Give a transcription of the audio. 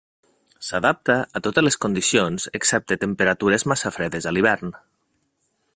S'adapta a totes les condicions excepte temperatures massa fredes a l'hivern.